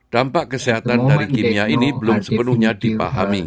dampak kesehatan dari kimia ini belum sepenuhnya dipahami